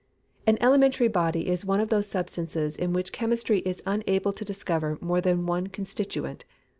_ An elementary body is one of those substances in which chemistry is unable to discover more than one constituent.